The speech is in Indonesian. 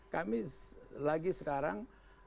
kami lagi sekarang